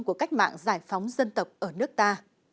của cách mạng giải phóng dân tộc ở nước ta